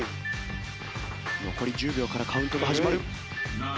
残り１０秒からカウントが始まる。